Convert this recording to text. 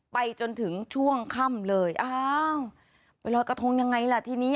ไปจนถึงช่วงค่ำเลยอ้าวไปลอยกระทงยังไงล่ะทีนี้